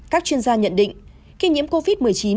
các chuyên gia nhận định khi nhiễm covid một mươi chín